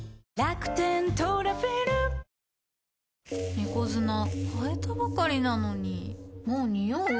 猫砂替えたばかりなのにもうニオう？